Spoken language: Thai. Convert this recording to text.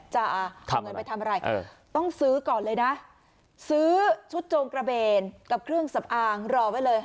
จะเอาเงินไปทำอะไรต้องซื้อก่อนเลยนะซื้อชุดโจงกระเบนกับเครื่องสำอางรอไว้เลย